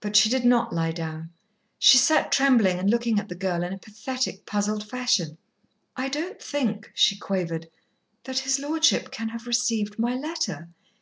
But she did not lie down. She sat trembling and looking at the girl in a pathetic, puzzled fashion. "I don't think," she quavered, "that his lordship can have received my letter.